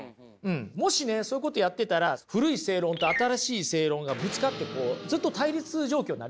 もしねそういうことやってたら古い正論と新しい正論がぶつかってずっと対立状況になりますよね。